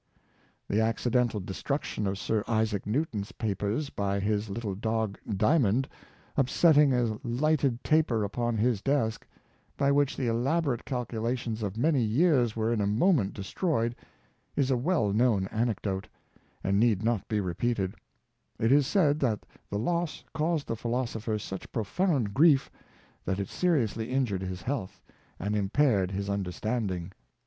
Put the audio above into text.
The accidental destruction of Sir Isaac Newton's pa pers, by his little dog " Diamond " upsetting a lighted taper upon his desk, by which the elaborate calcula tions of many years were in a moment destroyed, is a well known anecdote, and need not be repeated: it is said that the loss caused the philosopher such profound grief that it seriously injured his health, and impaired his understanding.